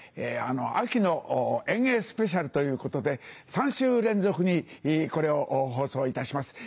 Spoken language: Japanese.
秋の演芸スペシャルということで３週連続にこれを放送いたします。